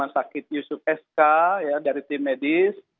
rumah sakit yusuf sk dari tim medis